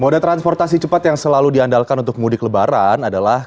mode transportasi cepat yang selalu diandalkan untuk mudik lebaran ada yang berkata